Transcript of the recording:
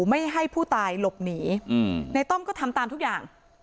ไม่ให้ผู้ตายหลบหนีในต้อมก็ทำตามทุกอย่าง